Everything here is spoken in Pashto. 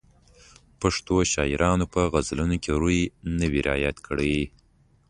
پښتو شاعرانو په غزلونو کې روي نه وي رعایت کړی.